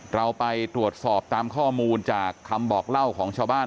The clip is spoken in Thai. เราไปตรวจสอบตามข้อมูลจากคำบอกเล่าของชาวบ้าน